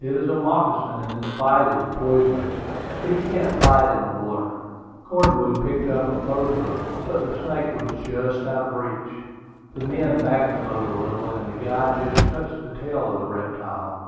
It is a moccasin, and his bite is poisonous; but he can't bite in the water." Cornwood picked up a boat hook, but the snake was just out of his reach. The men backed the boat a little, and the guide just touched the tail of the reptile.